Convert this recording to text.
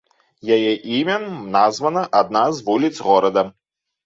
Яе імем названа адна з вуліц горада.